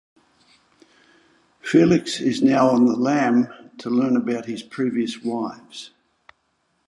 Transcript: Felix is now on the lam to learn about his previous wives.